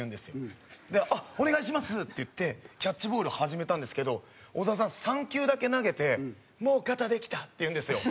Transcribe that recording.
「あっお願いします！」って言ってキャッチボール始めたんですけど小沢さん３球だけ投げて「もう肩できた」って言うんですよ。